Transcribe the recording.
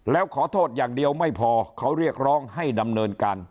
แล้วขอโทษอย่างเดียวไม่พอเขาเรียกร้องให้ดำเนินการ